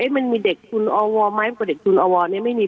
เอ๊ะมันมีเด็กทุนอวไหมแต่เด็กทุนอวเนี่ยไม่มี